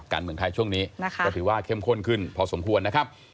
การเมืองไทยช่วงนี้ก็ถือว่าเข้มข้นขึ้นพอสมควรนะครับ